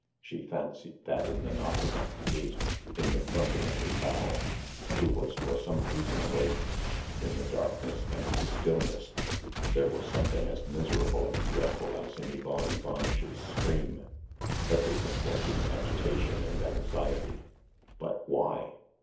She fancied that in the knocking at the gate, in the grunting of the sow, who was for some reason awake, in the darkness and the stillness, there was something as miserable and dreadful as in Ivan Ivanitch's scream. Everything was in agitation and anxiety, but why?